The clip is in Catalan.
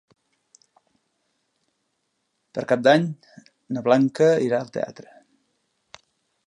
Per Cap d'Any na Blanca irà al teatre.